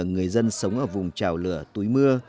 người dân sống ở vùng trào lửa túi mưa